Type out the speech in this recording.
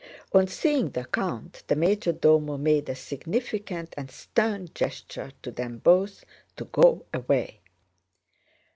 On seeing the count the major domo made a significant and stern gesture to them both to go away.